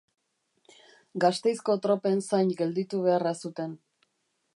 Gasteizko tropen zain gelditu beharra zuten.